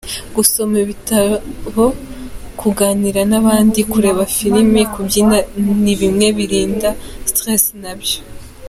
Gusoma ibitabo, kuganira n’abandi, kureba firimi, kubyina ni bimwe mu birinda stress nabyo.